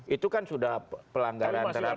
itu kan sudah pelanggaran terhadap